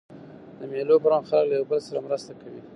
د مېلو پر مهال خلک له یوه بل سره مرسته کوي.